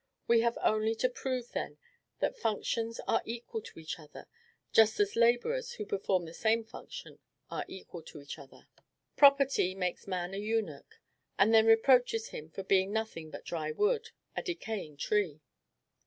We have only to prove, then, that functions are equal to each other; just as laborers, who perform the same function, are equal to each other. Property makes man a eunuch, and then reproaches him for being nothing but dry wood, a decaying tree.